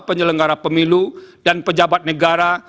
penyelenggara pemilu dan pejabat negara